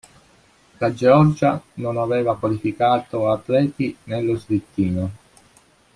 La Georgia non aveva qualificato atleti nello slittino.